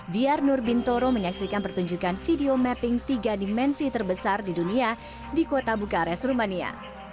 diyar nur bintoro menyaksikan pertunjukan video mapping tiga dimensi terbesar di dunia di kota bukares rumania